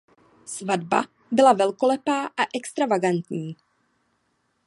Svatba byla velkolepá a extravagantní.